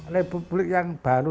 pembangunan yang baru